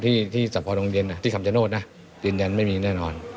ที่สะพอดงเย็นที่คำชโนธนะยืนยันไม่มีแน่นอน